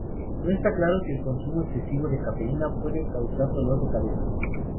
No está claro si el consumo excesivo de cafeína puede causar dolor de cabeza.